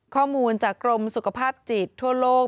ข้อมูลจากกรมสุขภาพจิตทั่วโลก